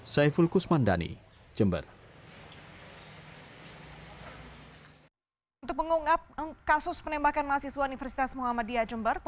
saiful kusmandani jember